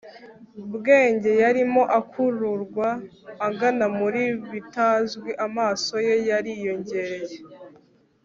bwenge yarimo akururwa agana mubi bitazwi. amaso ye yariyongereye